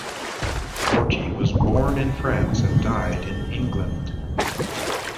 Lortie was born in France and died in England.